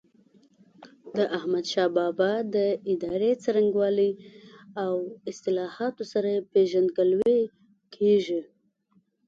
د احمدشاه بابا د ادارې څرنګوالي او اصلاحاتو سره یې پيژندګلوي کېږي.